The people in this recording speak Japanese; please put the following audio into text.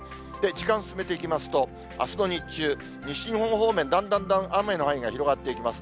時間進めていきますと、あすの日中、西日本方面、だんだんだんだん雨の範囲が広がっていきます。